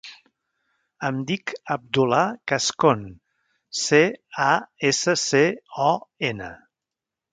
Em dic Abdullah Cascon: ce, a, essa, ce, o, ena.